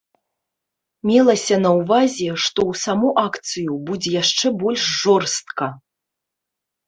Мелася на ўвазе, што ў саму акцыю будзе яшчэ больш жорстка.